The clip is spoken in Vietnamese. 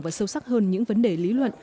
và sâu sắc hơn những vấn đề lý luận